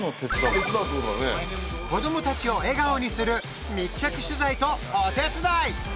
子どもたちを笑顔にする密着取材とお手伝い。